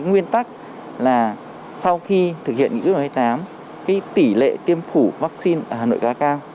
nguyên tắc là sau khi thực hiện nghị dụng hai mươi tám tỷ lệ tiêm phủ vaccine hà nội ca cao